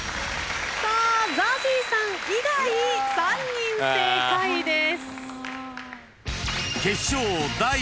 ＺＡＺＹさん以外３人正解です。